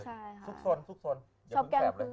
ซุกซนโอเคค่ะเจ้าแกนคืน